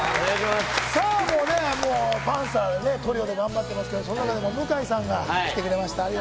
パンサー、トリオで頑張ってますけどね、向井さんが来てくれました。